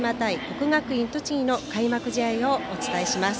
国学院栃木の開幕試合をお伝えします。